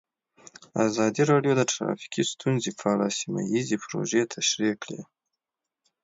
ازادي راډیو د ټرافیکي ستونزې په اړه سیمه ییزې پروژې تشریح کړې.